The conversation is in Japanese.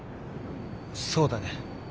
そうだね。